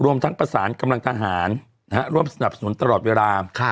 รวมทั้งประสานกำลังทหารร่วมสนับสนุนตลอดเวลา